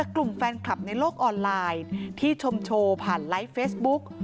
กลุ่มแฟนคลับในโลกออนไลน์ที่ชมโชว์ผ่านไลฟ์เฟซบุ๊ก